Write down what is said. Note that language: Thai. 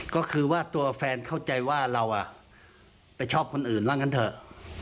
ก็คือว่าตัวแฟนเข้าใจว่าเราไปชอบคนอื่นว่างั้นเถอะ